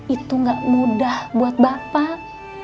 itu gak mudah buat bapak